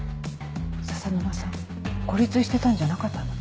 笹沼さん孤立してたんじゃなかったの？